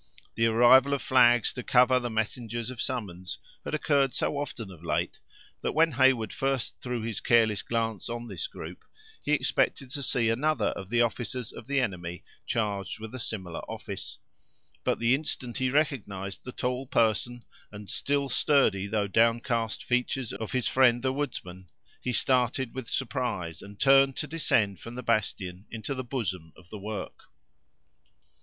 The arrival of flags to cover the messengers of summons, had occurred so often of late, that when Heyward first threw his careless glance on this group, he expected to see another of the officers of the enemy, charged with a similar office but the instant he recognized the tall person and still sturdy though downcast features of his friend, the woodsman, he started with surprise, and turned to descend from the bastion into the bosom of the work.